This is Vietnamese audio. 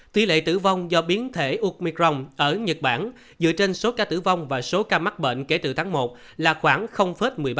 tỷ lệ tử vong do biến thể ucicron ở nhật bản dựa trên số ca tử vong và số ca mắc bệnh kể từ tháng một là khoảng một mươi ba